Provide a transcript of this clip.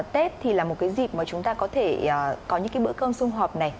tết thì là một cái dịp mà chúng ta có thể có những cái bữa cơm xung họp này